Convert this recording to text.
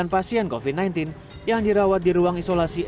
tiga puluh sembilan pasien kovin sembilan belas yang dirawat di ruang isolasi